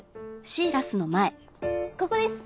ここです。